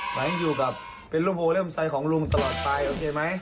ขอให้อยู่กับเป็นโรโพเลี่ยมไซค์ของลุงตลอดไปโอเคไหม